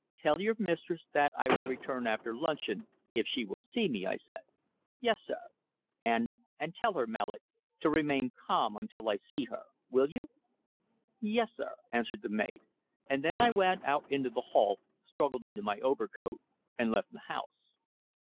"Tell your mistress that I will return after luncheon, if she will see me," I said. "Yes, sir." "And and tell her, Mallock, to remain calm until I see her. Will you?" "Yes, sir," answered the maid, and then I went out into the hall, struggled into my overcoat, and left the house.